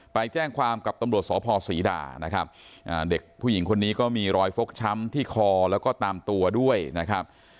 ไปแจ้งความกับตำรวจสพศรีดานะครับเด็กผู้หญิงคนนี้ก็มีรอยฟกช้ำที่คอแล้วก็ตามตัวด้วยนะครับ